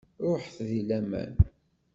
Ruḥet di laman.